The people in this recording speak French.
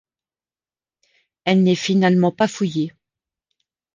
Elle n'est finalement pas fouillée.